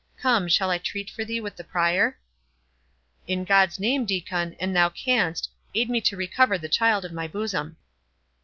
Come, shall I treat for thee with the Prior?" "In God's name, Diccon, an thou canst, aid me to recover the child of my bosom!"